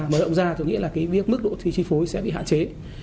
mở rộng ra nghĩa là mức độ chi phối sẽ bị hạn chế